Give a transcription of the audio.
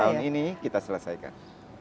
tahun ini kita selesaikan